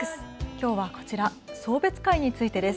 きょうはこちら、送別会についてです。